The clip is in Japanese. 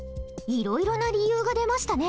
いろいろな理由が出ましたね。